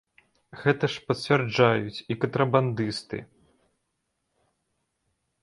Гэта ж пацвярджаюць і кантрабандысты.